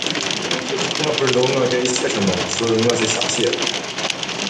我不知道我该写什么，所以我在瞎写。